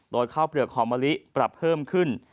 โดยข้าวเปลือกหอมมะลิปรับเพิ่มขึ้น